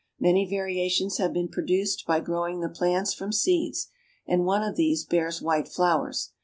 Many variations have been produced by growing the plants from seeds and one of these bears white flowers.